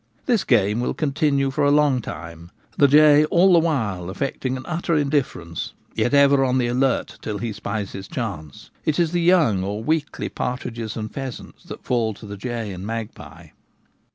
This game will continue for a long time ; the jay all the while affecting an utter indiffer ence, yet ever on the alert till he spies his chance. It is the young or weakly partridges and pheasants that fall to the jay ancl magpie.